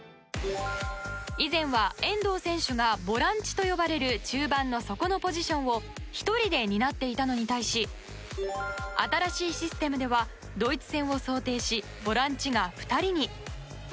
以前は遠藤選手がボランチと呼ばれる中盤の底のポジションを１人で担っていたのに対し新しいシステムではドイツ戦を想定しボランチが２人に。